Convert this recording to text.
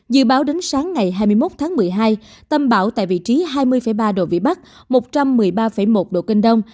dự báo đến sáng ngày hai mươi một tháng một mươi hai tâm bão tại vị trí hai mươi ba độ vĩ bắc một trăm một mươi ba một độ kinh đông